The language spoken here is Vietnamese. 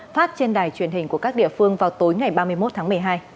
phát trên đài truyền hình của các địa phương vào tối ngày ba mươi một tháng một mươi hai